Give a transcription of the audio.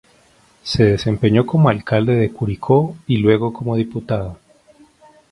Se desempeñó como alcalde de Curicó y luego como Diputado.